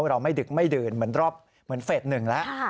เราไม่ดึกไม่ดื่นเหมือนเฟส๑แล้ว